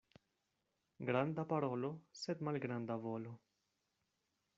Granda parolo, sed malgranda volo.